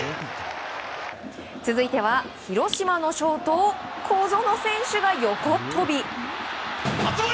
続いては広島のショート小園選手が横っ飛び。